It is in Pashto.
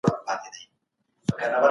که پوهه زياته سي نو ټولنه وده کوي.